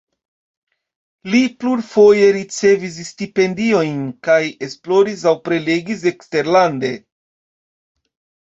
Li plurfoje ricevis stipendiojn kaj esploris aŭ prelegis eksterlande.